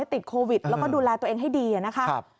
ติดโควิดแล้วก็ดูแลตัวเองให้ดีนะคะ